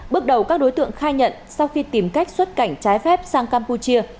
bước đầu các đối tượng khai nhận sau khi tìm cách xuất cảnh trái phép sang campuchia